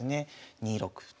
２六歩と。